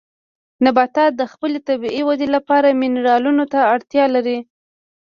نباتات د خپلې طبیعي ودې لپاره منرالونو ته اړتیا لري.